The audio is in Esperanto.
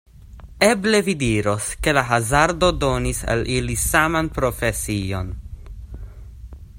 Eble vi diros, ke la hazardo donis al ili saman profesion.